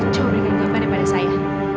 jauh lebih gampang daripada saya